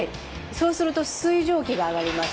そうすると水蒸気が上がります。